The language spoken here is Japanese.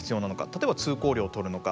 例えば通行料を取るのか。